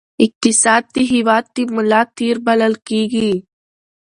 اقتصاد د هېواد د ملا تیر بلل کېږي.